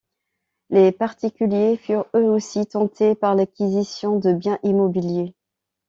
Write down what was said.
Les particuliers furent eux aussi tentés par l'acquisition de biens immobiliers.